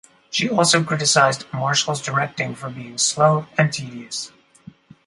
She also criticized Marshall's directing for being slow and tedious.